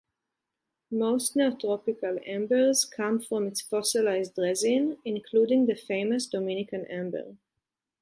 Most neotropical ambers come from its fossilized resin, including the famous Dominican amber.